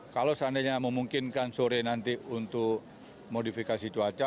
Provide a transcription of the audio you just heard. kalau seandainya memungkinkan sore nanti untuk modifikasi cuaca